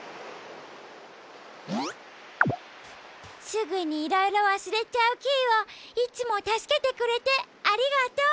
すぐにいろいろわすれちゃうキイをいつもたすけてくれてありがとう。